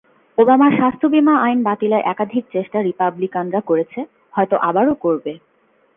ওবামার স্বাস্থ্যবিমা আইন বাতিলের একাধিক চেষ্টা রিপাবলিকানরা করেছে, হয়তো আবারও করবে।